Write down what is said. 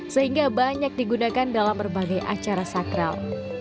sehingga banyak digunakan dalam berbagai acara sakral